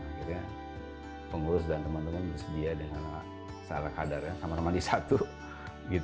akhirnya pengurus dan teman teman bersedia dengan secara kadar ya sama sama di satu gitu kan